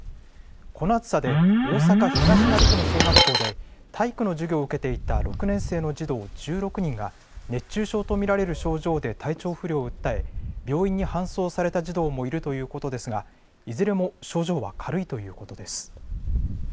この暑さで大阪東成区の小学校で体育の授業を受けていた６年生の児童１６人が熱中症と見られる症状で体調不良を訴え病院に搬送された児童もいるということですがいずれも症状は軽いということです。